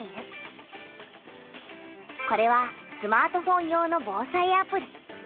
これはスマートフォン用の「防災アプリ」。